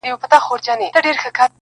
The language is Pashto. • تا راته نه ويل د کار راته خبري کوه .